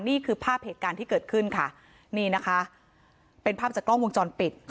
นี่คือภาพเหตุการณ์ที่เกิดขึ้นค่ะนี่นะคะเป็นภาพจากกล้องวงจรปิด